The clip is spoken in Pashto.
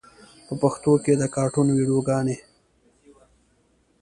په پښتو کې د کاټون ویډیوګانې